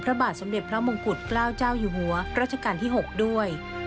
พระบาทสมเด็จพระมงกุฎเกล้าเจ้าอยู่หัวรัชกาลที่๖ด้วย